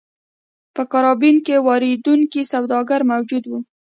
په کارابین کې واردوونکي سوداګر موجود وو.